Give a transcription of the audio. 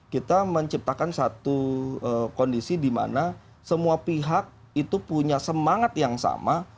kita menciptakan satu kondisi di mana semua pihak itu punya semangat yang sama